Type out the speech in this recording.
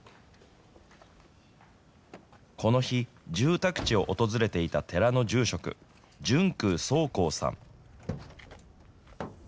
この日、住宅地を訪れていた寺の住職、純空壮宏さん。